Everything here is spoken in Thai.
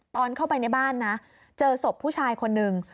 ตอนเข้าไปในบ้านนะเจอศพผู้ชายคนนึง